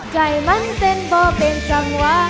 ใจมันเต้นบ่เป็นจังหวะ